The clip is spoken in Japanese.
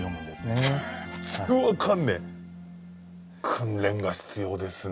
訓練が必要ですね。